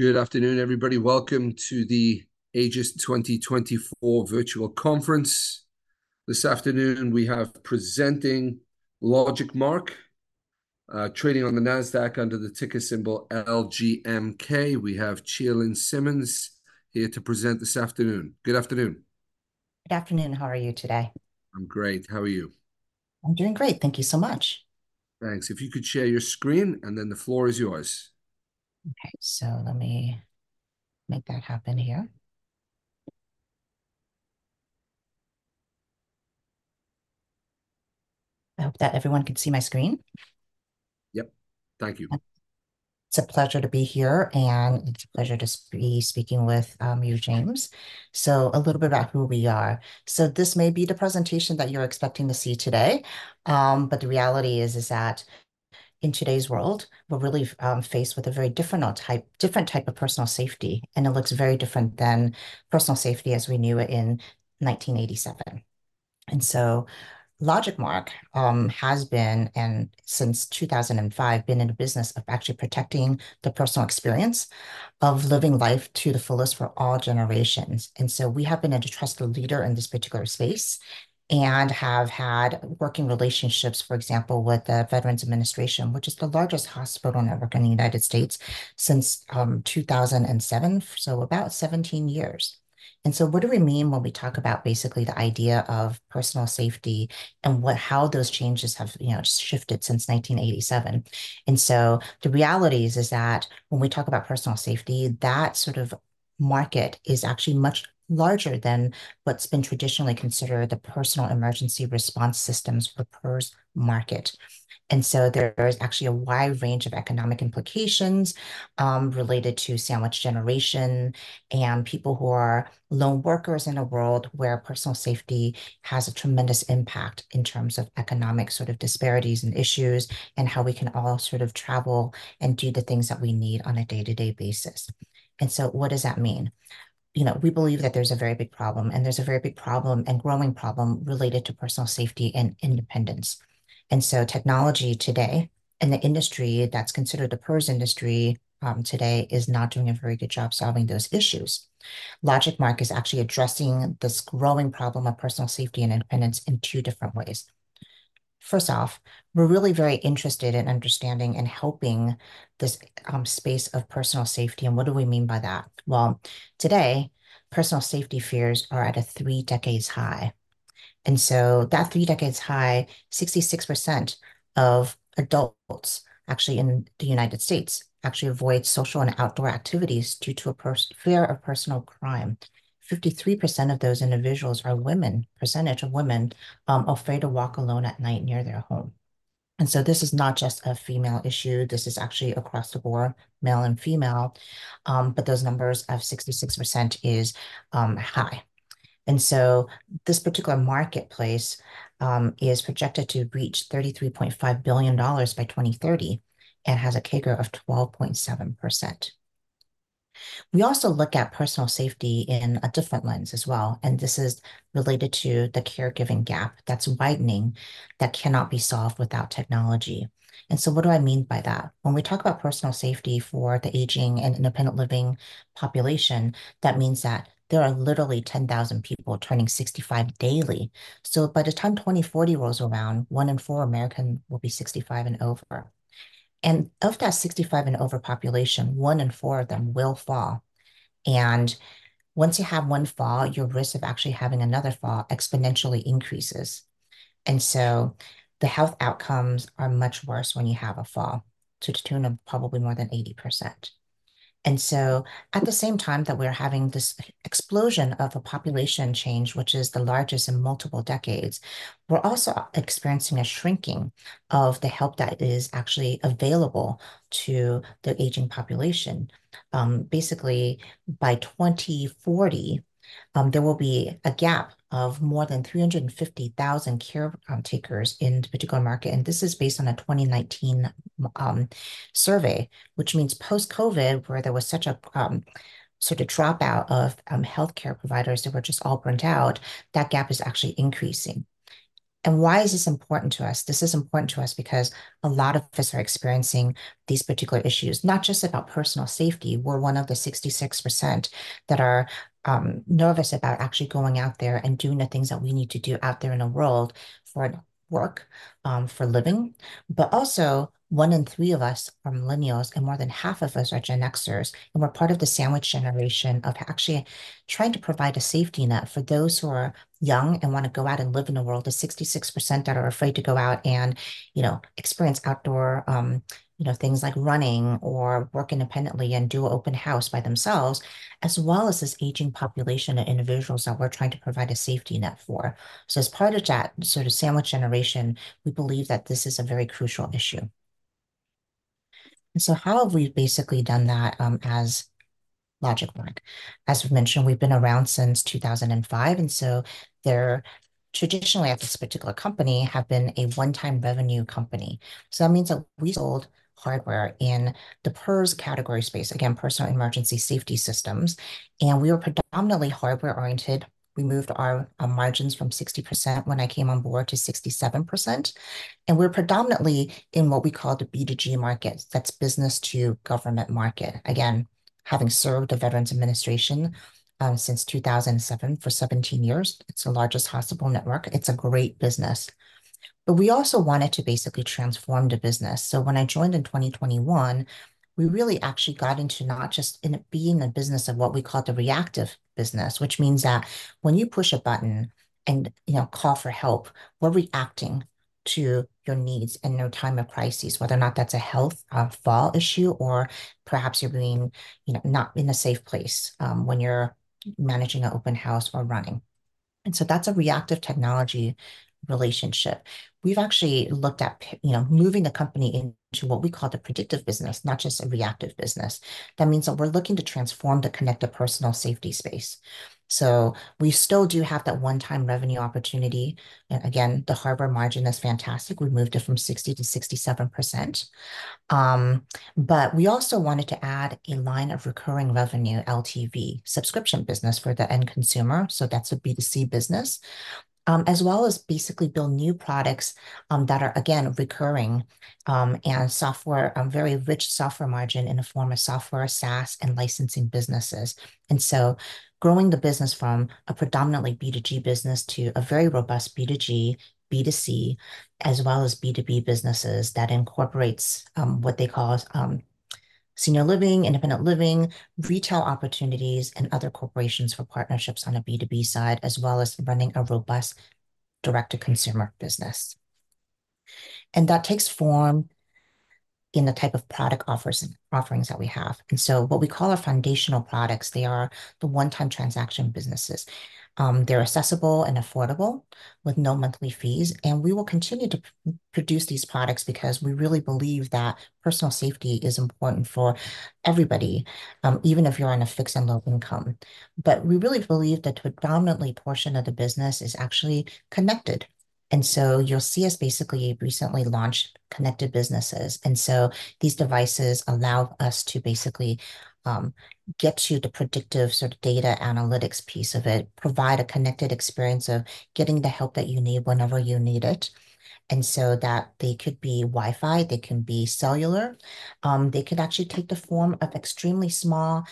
Good afternoon, everybody. Welcome to the Aegis 2024 Virtual Conference. This afternoon, we have presenting LogicMark, trading on the NASDAQ under the ticker symbol LGMK. We have Chia-Lin Simmons here to present this afternoon. Good afternoon. Good afternoon. How are you today? I'm great. How are you? I'm doing great. Thank you so much. Thanks. If you could share your screen, and then the floor is yours. Okay, let me make that happen here. I hope that everyone can see my screen. Yep. Thank you. It's a pleasure to be here, and it's a pleasure to be speaking with you, James. So a little bit about who we are. So this may be the presentation that you're expecting to see today, but the reality is, is that in today's world, we're really faced with a very different type, different type of personal safety, and it looks very different than personal safety as we knew it in 1987. And so, LogicMark has been, and since 2005, been in the business of actually protecting the personal experience of living life to the fullest for all generations. And so we have been a trusted leader in this particular space and have had working relationships, for example, with the Veterans Administration, which is the largest hospital network in the United States, since 2007, so about 17 years. What do we mean when we talk about basically the idea of personal safety and what-how those changes have, you know, shifted since 1987? The reality is that when we talk about personal safety, that sort of market is actually much larger than what's been traditionally considered the personal emergency response systems or PERS market. There is actually a wide range of economic implications, related to sandwich generation and people who are lone workers in a world where personal safety has a tremendous impact in terms of economic sort of disparities and issues, and how we can all sort of travel and do the things that we need on a day-to-day basis. What does that mean? You know, we believe that there's a very big problem, and there's a very big problem and growing problem related to personal safety and independence. And so technology today, and the industry that's considered the PERS industry today, is not doing a very good job solving those issues. LogicMark is actually addressing this growing problem of personal safety and independence in two different ways. First off, we're really very interested in understanding and helping this space of personal safety, and what do we mean by that? Well, today, personal safety fears are at a three decades high. And so that three decades high, 66% of adults actually in the United States actually avoid social and outdoor activities due to a personal fear of personal crime. 53% of those individuals are women. Percentage of women afraid to walk alone at night near their home. This is not just a female issue, this is actually across the board, male and female, but those numbers of 66% is high. This particular marketplace is projected to reach $33.5 billion by 2030 and has a CAGR of 12.7%. We also look at personal safety in a different lens as well, and this is related to the caregiving gap that's widening, that cannot be solved without technology. What do I mean by that? When we talk about personal safety for the aging and independent living population, that means that there are literally 10,000 people turning 65 daily. By the time 2040 rolls around, one in four American will be 65 and over. Of that 65 and over population, one in four of them will fall. Once you have one fall, your risk of actually having another fall exponentially increases. So the health outcomes are much worse when you have a fall, to the tune of probably more than 80%. So at the same time that we're having this explosion of a population change, which is the largest in multiple decades, we're also experiencing a shrinking of the help that is actually available to the aging population. Basically, by 2040, there will be a gap of more than 350,000 caretakers in this particular market, and this is based on a 2019 survey, which means post-COVID, where there was such a sort of dropout of healthcare providers that were just all burnt out, that gap is actually increasing. Why is this important to us? This is important to us because a lot of us are experiencing these particular issues, not just about personal safety. We're one of the 66% that are, nervous about actually going out there and doing the things that we need to do out there in the world for work, for a living. But also, one in three of us are Millennials, and more than half of us are Gen Xers, and we're part of the sandwich generation of actually trying to provide a safety net for those who are young and wanna go out and live in a world of 66% that are afraid to go out and, you know, experience outdoor, you know, things like running or work independently and do open house by themselves, as well as this aging population of individuals that we're trying to provide a safety net for. So as part of that sort of sandwich generation, we believe that this is a very crucial issue. And so how have we basically done that, as LogicMark? As we've mentioned, we've been around since 2005, and so there traditionally, at this particular company, have been a one-time revenue company. So that means that we sold hardware in the PERS category space, again, personal emergency safety systems, and we were predominantly hardware-oriented. We moved our margins from 60% when I came on board to 67%, and we're predominantly in what we call the B2G market. That's business to government market. Having served the Veterans Administration since 2007, for 17 years. It's the largest hospital network. It's a great business. But we also wanted to basically transform the business. So when I joined in 2021, we really actually got into not just in it being a business of what we call the reactive business, which means that when you push a button and, you know, call for help, we're reacting to your needs in a time of crisis, whether or not that's a health, a fall issue, or perhaps you're being, you know, not in a safe place, when you're managing an open house or running. And so that's a reactive technology relationship. We've actually looked at, you know, moving the company into what we call the predictive business, not just a reactive business. That means that we're looking to transform the connected personal safety space. So we still do have that one-time revenue opportunity, and again, the hardware margin is fantastic. We moved it from 60%-67%. But we also wanted to add a line of recurring revenue, LTV, subscription business for the end consumer, so that's a B2C business, as well as basically build new products, that are, again, recurring, and software, very rich software margin in the form of software, SaaS, and licensing businesses. And so growing the business from a predominantly B2G business to a very robust B2G, B2C, as well as B2B businesses, that incorporates, what they call, senior living, independent living, retail opportunities, and other corporations for partnerships on a B2B side, as well as running a robust direct-to-consumer business. And that takes form in the type of product offers, offerings that we have. And so what we call our foundational products, they are the one-time transaction businesses. They're accessible and affordable, with no monthly fees, and we will continue to produce these products because we really believe that personal safety is important for everybody, even if you're on a fixed and low income. But we really believe that predominantly a portion of the business is actually connected, and so you'll see us basically recently launched connected businesses. And so these devices allow us to basically get to the predictive sort of data analytics piece of it, provide a connected experience of getting the help that you need whenever you need it. So that they could be Wi-Fi, they can be cellular, they could actually take the form of extremely small,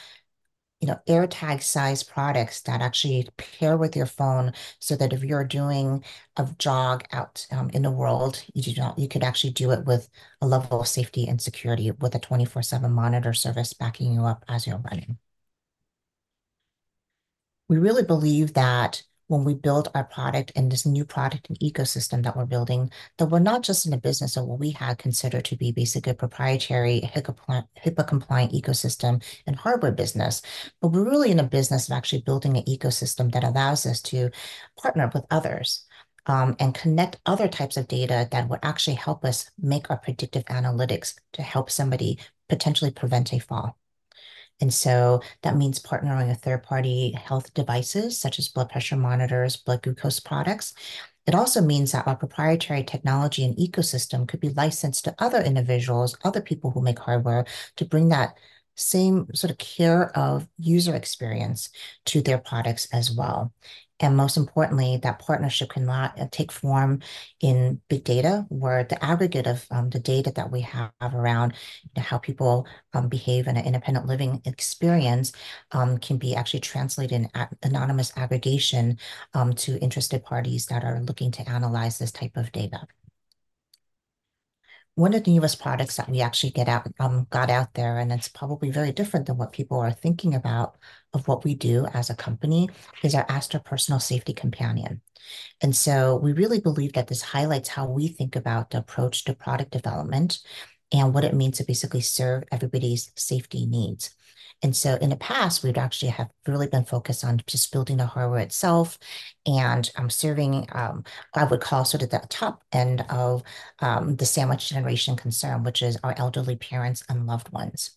you know, AirTag-sized products that actually pair with your phone so that if you're doing a jog out in the world, you could actually do it with a level of safety and security, with a 24/7 monitor service backing you up as you're running. We really believe that when we build our product and this new product and ecosystem that we're building, that we're not just in the business of what we had considered to be basically a proprietary HIPAA-compliant ecosystem and hardware business, but we're really in a business of actually building an ecosystem that allows us to partner with others, and connect other types of data that will actually help us make our predictive analytics to help somebody potentially prevent a fall. And so that means partnering with third-party health devices, such as blood pressure monitors, blood glucose products. It also means that our proprietary technology and ecosystem could be licensed to other individuals, other people who make hardware, to bring that same sort of care of user experience to their products as well. And most importantly, that partnership can take form in big data, where the aggregate of, the data that we have around, you know, how people behave in an independent living experience, can be actually translated in anonymous aggregation, to interested parties that are looking to analyze this type of data. One of the newest products that we actually got out there, and it's probably very different than what people are thinking about of what we do as a company, is our Aster Personal Safety Companion. And so we really believe that this highlights how we think about the approach to product development and what it means to basically serve everybody's safety needs. In the past, we'd actually have really been focused on just building the hardware itself, and serving, I would call sort of the top end of the sandwich generation concern, which is our elderly parents and loved ones.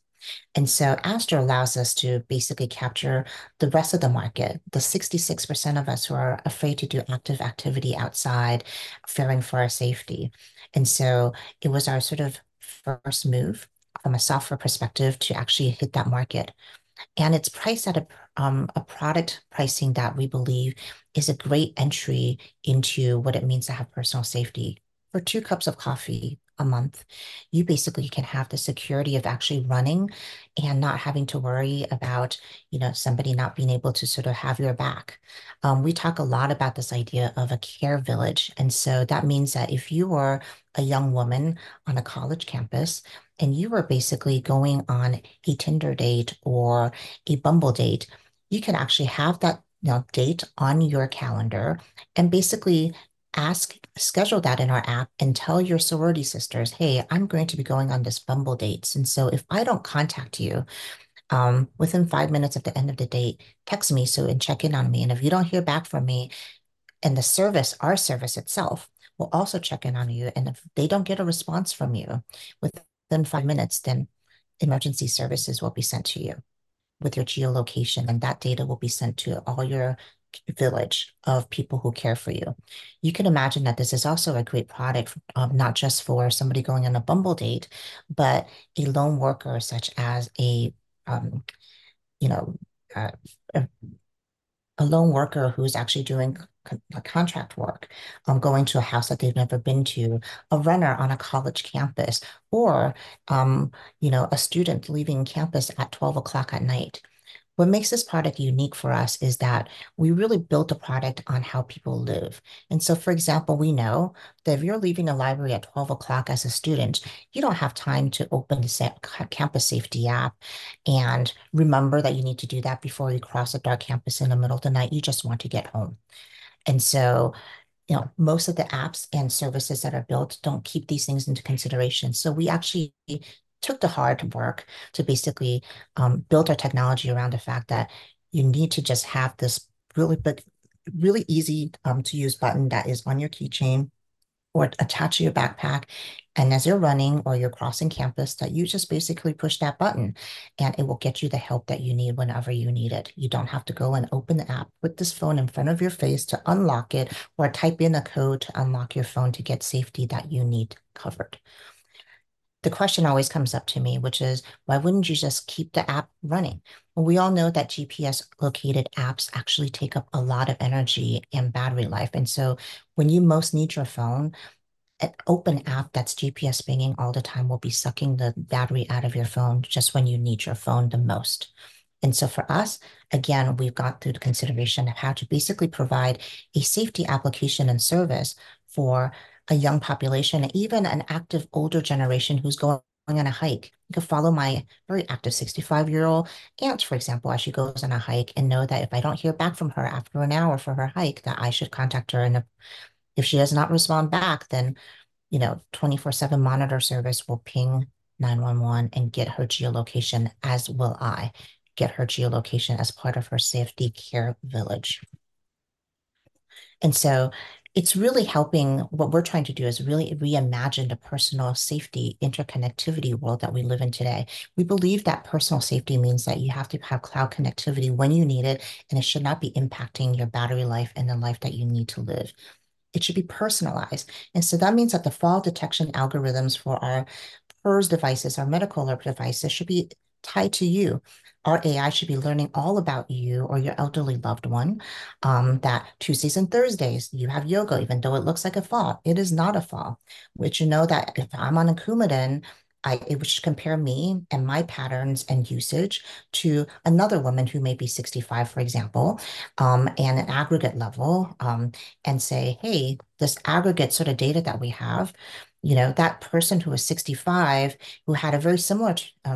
Aster allows us to basically capture the rest of the market, the 66% of us who are afraid to do active activity outside, fearing for our safety. It was our sort of first move from a software perspective to actually hit that market. It's priced at a product pricing that we believe is a great entry into what it means to have personal safety. For two cups of coffee a month, you basically can have the security of actually running and not having to worry about, you know, somebody not being able to sort of have your back. We talk a lot about this idea of a care village, and so that means that if you are a young woman on a college campus, and you are basically going on a Tinder date or a Bumble date, you can actually have that, you know, date on your calendar and basically schedule that in our app and tell your sorority sisters, "Hey, I'm going to be going on this Bumble date, and so if I don't contact you within five minutes at the end of the date, text me so... and check in on me. And if you don't hear back from me..." And the service, our service itself, will also check in on you, and if they don't get a response from you within five minutes, then emergency services will be sent to you with your geolocation, and that data will be sent to all your Care Village of people who care for you. You can imagine that this is also a great product, not just for somebody going on a Bumble date, but a lone worker, such as a, you know, a lone worker who's actually doing contract work, going to a house that they've never been to, a runner on a college campus, or, you know, a student leaving campus at 12:00 A.M. What makes this product unique for us is that we really built a product on how people live. For example, we know that if you're leaving a library at 12:00 A.M. as a student, you don't have time to open the campus safety app and remember that you need to do that before you cross a dark campus in the middle of the night. You just want to get home. You know, most of the apps and services that are built don't keep these things into consideration. We actually took the hard work to basically build our technology around the fact that you need to just have this really, but really easy to use button that is on your keychain or attached to your backpack, and as you're running or you're crossing campus, that you just basically push that button, and it will get you the help that you need whenever you need it. You don't have to go and open the app, put this phone in front of your face to unlock it, or type in a code to unlock your phone to get safety that you need covered. The question always comes up to me, which is, why wouldn't you just keep the app running? Well, we all know that GPS-located apps actually take up a lot of energy and battery life, and so when you most need your phone, an open app that's GPS pinging all the time will be sucking the battery out of your phone just when you need your phone the most. And so for us, again, we've gone through the consideration of how to basically provide a safety application and service for a young population, even an active older generation who's going on a hike. I could follow my very active 65-year-old aunt, for example, as she goes on a hike, and know that if I don't hear back from her after an hour for her hike, that I should contact her, and if she does not respond back, then, you know, 24/7 monitor service will ping 911 and get her geolocation, as will I get her geolocation as part of her Care Village. And so it's really helping... What we're trying to do is really reimagine the personal safety interconnectivity world that we live in today. We believe that personal safety means that you have to have cloud connectivity when you need it, and it should not be impacting your battery life and the life that you need to live. It should be personalized. That means that the fall detection algorithms for our first devices, our medical alert devices, should be tied to you. Our AI should be learning all about you or your elderly loved one, that Tuesdays and Thursdays, you have yoga, even though it looks like a fall, it is not a fall, which you know that if I'm on a Coumadin, it would compare me and my patterns and usage to another woman who may be 65, for example, in an aggregate level, and say, "Hey, this aggregate sort of data that we have, you know, that person who was 65, who had a very similar,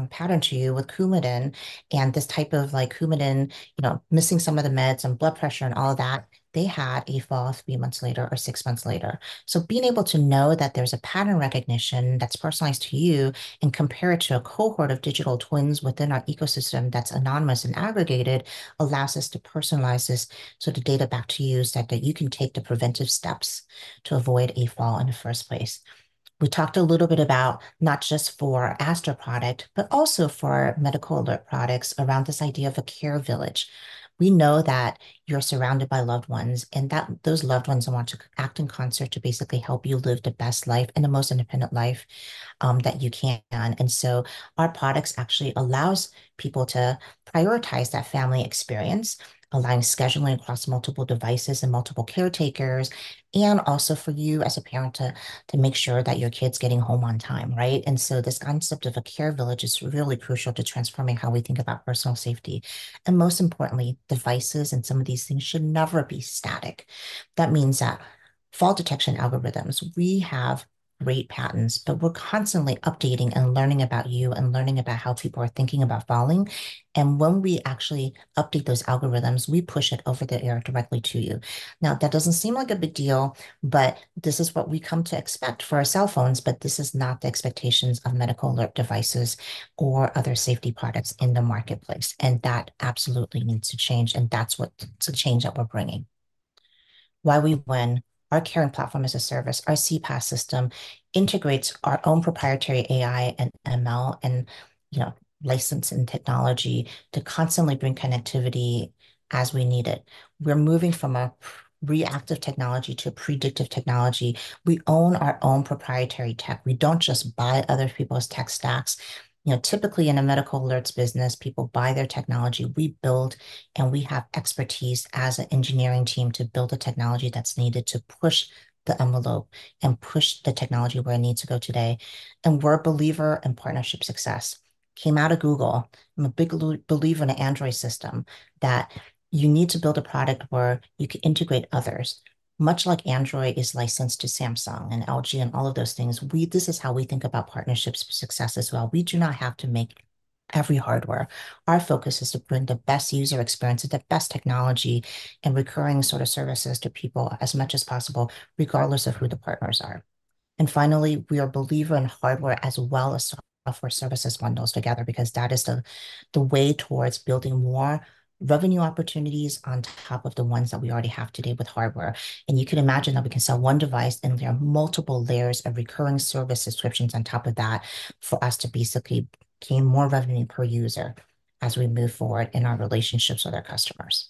pattern to you with Coumadin and this type of, like, Coumadin, you know, missing some of the meds and blood pressure and all of that, they had a fall 3 months later or 6 months later." So being able to know that there's a pattern recognition that's personalized to you and compare it to a cohort of digital twins within our ecosystem that's anonymous and aggregated, allows us to personalize this, so the data back to you is that, that you can take the preventive steps to avoid a fall in the first place. We talked a little bit about not just for Aster product, but also for medical alert products around this idea of a Care Village. We know that you're surrounded by loved ones, and that those loved ones want to act in concert to basically help you live the best life and the most independent life that you can. And so our products actually allows people to prioritize that family experience, allowing scheduling across multiple devices and multiple caretakers, and also for you as a parent to make sure that your kid's getting home on time, right? And so this concept of a Care Village is really crucial to transforming how we think about personal safety. And most importantly, devices and some of these things should never be static. That means that fall detection algorithms, we have great patents, but we're constantly updating and learning about you and learning about how people are thinking about falling. And when we actually update those algorithms, we push it over the air directly to you. Now, that doesn't seem like a big deal, but this is what we come to expect for our cell phones, but this is not the expectations of medical alert devices or other safety products in the marketplace, and that absolutely needs to change, and that's what it's the change that we're bringing. Why we win? Our Care Platform as a Service, our CPaaS system, integrates our own proprietary AI and ML, and, you know, license and technology to constantly bring connectivity as we need it. We're moving from a reactive technology to a predictive technology. We own our own proprietary tech. We don't just buy other people's tech stacks. You know, typically, in a medical alerts business, people buy their technology, we build, and we have expertise as an engineering team to build the technology that's needed to push the envelope and push the technology where it needs to go today. And we're a believer in partnership success. Came out of Google. I'm a big believer in the Android system, that you need to build a product where you can integrate others. Much like Android is licensed to Samsung and LG and all of those things, this is how we think about partnerships success as well. We do not have to make every hardware. Our focus is to bring the best user experience and the best technology and recurring sort of services to people as much as possible, regardless of who the partners are. Finally, we are a believer in hardware as well as software services bundled together, because that is the way towards building more revenue opportunities on top of the ones that we already have today with hardware. You can imagine that we can sell one device, and there are multiple layers of recurring service subscriptions on top of that for us to basically gain more revenue per user as we move forward in our relationships with our customers....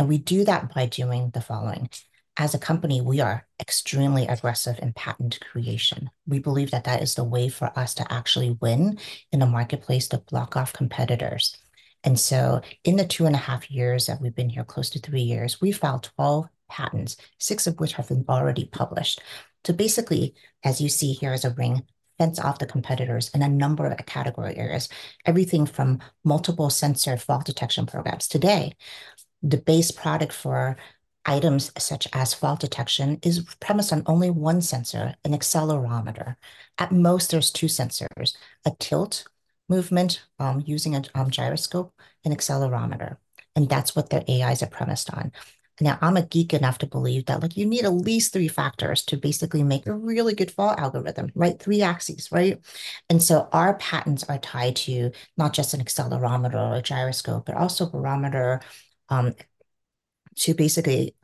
We do that by doing the following: as a company, we are extremely aggressive in patent creation. We believe that that is the way for us to actually win in the marketplace, to block off competitors. So in the 2.5 years that we've been here, close to 3 years, we've filed 12 patents, 6 of which have been already published. So basically, as you see here as a ring, fence off the competitors in a number of category areas, everything from multiple sensor fall detection programs. Today, the base product for items such as fall detection is premised on only one sensor, an accelerometer. At most, there's two sensors, a tilt movement, using a gyroscope and accelerometer, and that's what their AIs are premised on. Now, I'm a geek enough to believe that, like, you need at least three factors to basically make a really good fall algorithm, right? Three axes, right? And so our patents are tied to not just an accelerometer or a gyroscope, but also barometer, to basically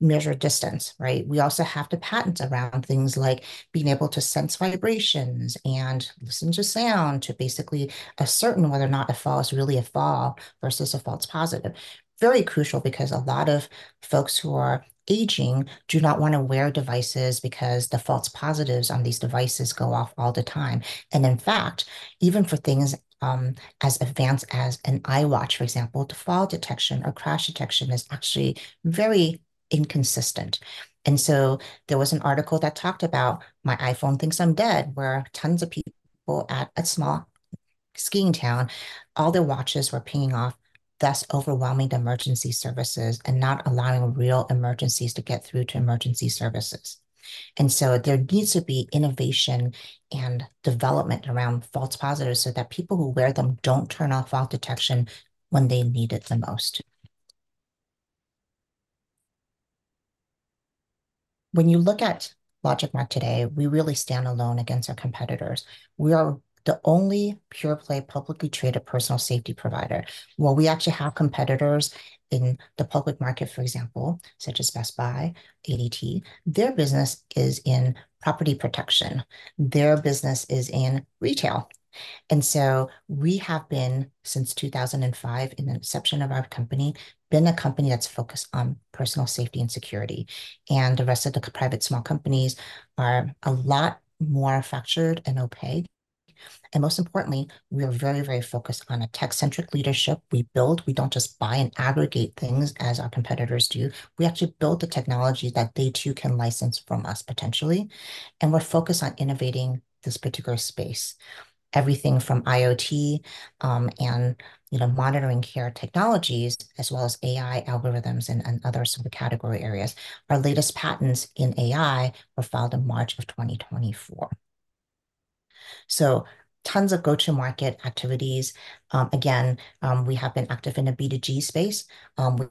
measure distance, right? We also have the patents around things like being able to sense vibrations and listen to sound, to basically ascertain whether or not a fall is really a fall versus a false positive. Very crucial because a lot of folks who are aging do not want to wear devices because the false positives on these devices go off all the time. In fact, even for things as advanced as an Apple Watch, for example, the fall detection or crash detection is actually very inconsistent. So there was an article that talked about, "My iPhone thinks I'm dead," where tons of people at a small skiing town, all their watches were pinging off, thus overwhelming the emergency services and not allowing real emergencies to get through to emergency services. There needs to be innovation and development around false positives so that people who wear them don't turn off fall detection when they need it the most. When you look at LogicMark today, we really stand alone against our competitors. We are the only pure-play, publicly traded personal safety provider. While we actually have competitors in the public market, for example, such as Best Buy, ADT, their business is in property protection. Their business is in retail. We have been, since 2005, in the inception of our company, been a company that's focused on personal safety and security, and the rest of the private small companies are a lot more fractured and opaque. Most importantly, we are very, very focused on a tech-centric leadership. We build, we don't just buy and aggregate things as our competitors do. We actually build the technology that they, too, can license from us, potentially, and we're focused on innovating this particular space. Everything from IoT, and, you know, monitoring care technologies, as well as AI algorithms and other sub-category areas. Our latest patents in AI were filed in March of 2024. So tons of go-to-market activities. Again, we have been active in the B2G space,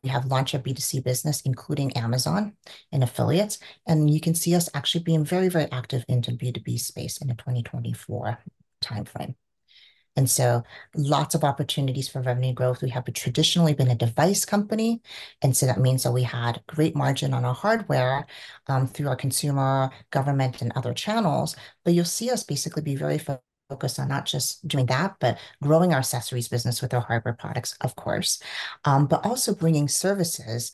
we have launched a B2C business, including Amazon and affiliates, and you can see us actually being very, very active into B2B space in the 2024 timeframe. And so lots of opportunities for revenue growth. We have traditionally been a device company, and so that means that we had great margin on our hardware, through our consumer, government, and other channels. But you'll see us basically be very focused on not just doing that, but growing our accessories business with our hardware products, of course, but also bringing services,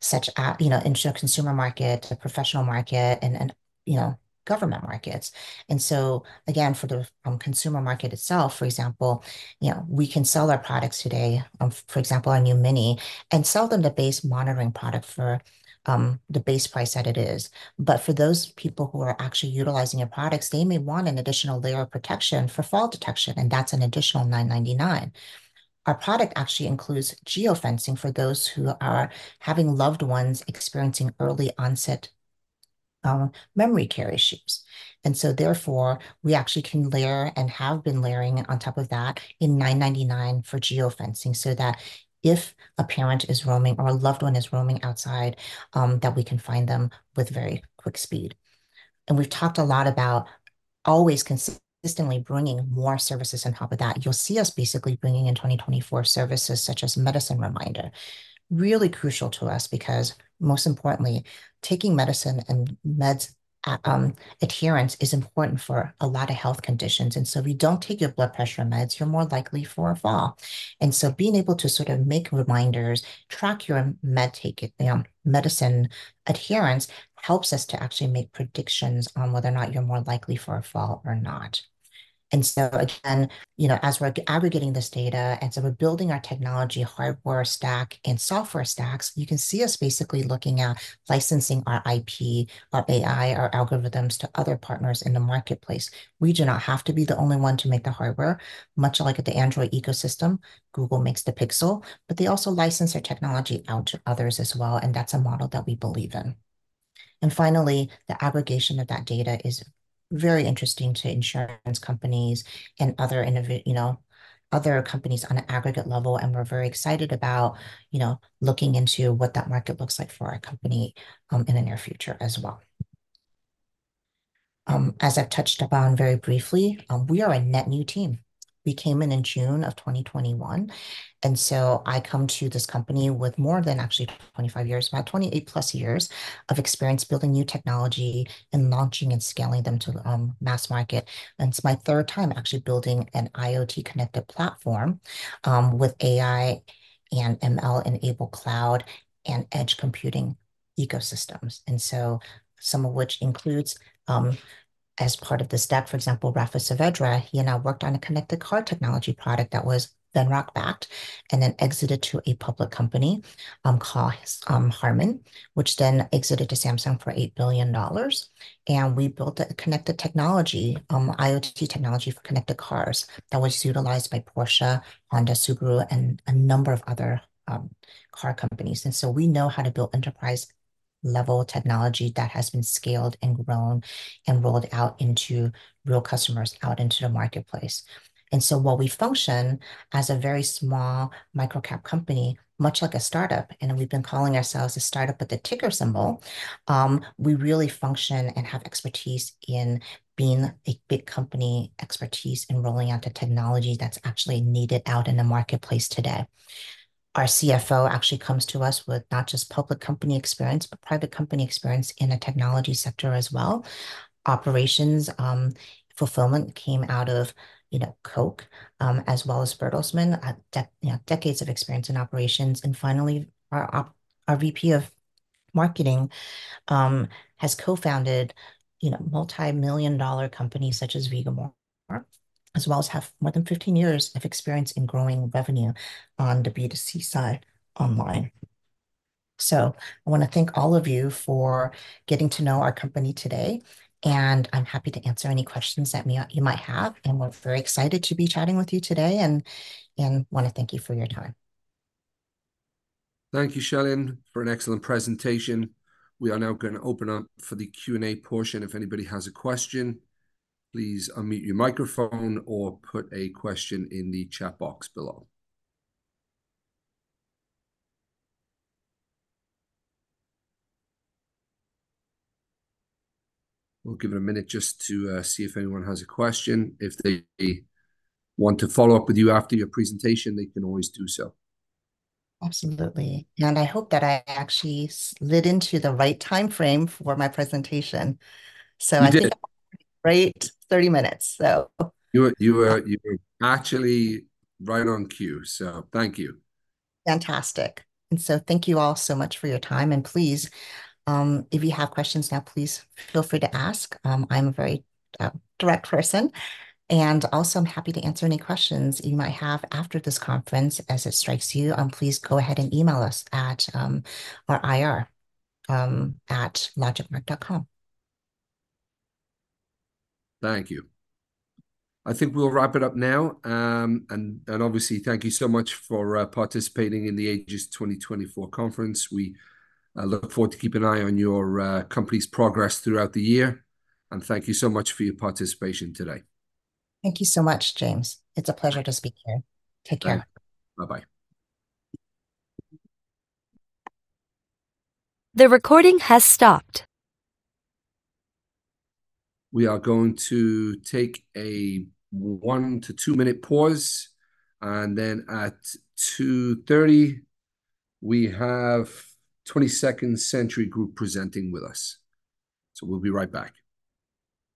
such as, you know, into the consumer market, the professional market, and you know, government markets. And so, again, for the consumer market itself, for example, you know, we can sell our products today, for example, our new Mini, and sell them the base monitoring product for the base price that it is. But for those people who are actually utilizing our products, they may want an additional layer of protection for fall detection, and that's an additional $9.99. Our product actually includes geofencing for those who are having loved ones experiencing early-onset memory care issues. And so therefore, we actually can layer, and have been layering on top of that in $9.99 for geofencing, so that if a parent is roaming or a loved one is roaming outside, that we can find them with very quick speed. We've talked a lot about always consistently bringing more services on top of that. You'll see us basically bringing in 2024 services such as medicine reminder. Really crucial to us because, most importantly, taking medicine and meds, adherence is important for a lot of health conditions, and so if you don't take your blood pressure meds, you're more likely for a fall. Being able to sort of make reminders, track your med take, medicine adherence, helps us to actually make predictions on whether or not you're more likely for a fall or not. And so, again, you know, as we're aggregating this data, and so we're building our technology, hardware stack, and software stacks, you can see us basically looking at licensing our IP, our AI, our algorithms to other partners in the marketplace. We do not have to be the only one to make the hardware. Much like the Android ecosystem, Google makes the Pixel, but they also license their technology out to others as well, and that's a model that we believe in. And finally, the aggregation of that data is very interesting to insurance companies and other companies on an aggregate level, and we're very excited about, you know, looking into what that market looks like for our company in the near future as well. As I've touched upon very briefly, we are a net new team. We came in in June of 2021, and so I come to this company with more than actually 25 years, about 28+ years of experience building new technology and launching and scaling them to the mass market. And it's my third time actually building an IoT-connected platform with AI and ML-enabled cloud and edge computing ecosystems. And so some of which includes as part of the staff, for example, Rafa Saavedra, he and I worked on a connected car technology product that was Venrock-backed and then exited to a public company called Harman, which then exited to Samsung for $8 billion. And we built a connected technology IoT technology for connected cars that was utilized by Porsche, Honda, Subaru, and a number of other car companies. And so we know how to build enterprise-level technology that has been scaled and grown and rolled out into real customers out into the marketplace. And so while we function as a very small micro-cap company, much like a startup, and we've been calling ourselves a startup with a ticker symbol, we really function and have expertise in being a big company, expertise in rolling out the technology that's actually needed out in the marketplace today. Our CFO actually comes to us with not just public company experience, but private company experience in the technology sector as well. Operations, fulfillment came out of, you know, Coke, as well as Bertelsmann. You know, decades of experience in operations. And finally, our VP of Marketing has co-founded, you know, multimillion-dollar companies such as Vegamour, as well as have more than 15 years of experience in growing revenue on the B2C side online. So I wanna thank all of you for getting to know our company today, and I'm happy to answer any questions that you might have, and we're very excited to be chatting with you today, and, and wanna thank you for your time. Thank you, Chia-Lin, for an excellent presentation. We are now gonna open up for the Q&A portion. If anybody has a question, please unmute your microphone or put a question in the chat box below. We'll give it a minute just to see if anyone has a question. If they want to follow up with you after your presentation, they can always do so. Absolutely. I hope that I actually slid into the right timeframe for my presentation. So I think- You did... right 30 minutes, so You were actually right on cue, so thank you. Fantastic. And so thank you all so much for your time, and please, if you have questions now, please feel free to ask. I'm a very direct person, and also I'm happy to answer any questions you might have after this conference as it strikes you. Please go ahead and email us at our IR@LogicMark.com. Thank you. I think we'll wrap it up now, and obviously, thank you so much for participating in the Aegis 2024 conference. We look forward to keeping an eye on your company's progress throughout the year, and thank you so much for your participation today. Thank you so much, James. It's a pleasure to speak here. Take care. Bye-bye. The recording has stopped. We are going to take a 1- to 2-minute pause, and then at 2:30, we have 22nd Century Group presenting with us. So we'll be right back.